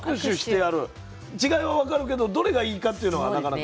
違いは分かるけどどれがいいかっていうのはなかなか。